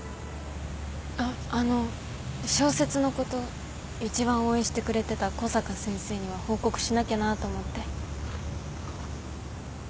あっあの小説のこと一番応援してくれてた小坂先生には報告しなきゃなと思って。